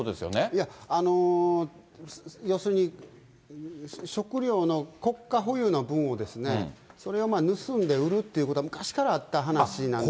いや、要するに、食糧の国家保有の分をですね、それを盗んで売るっていうことは、昔からあった話なんです。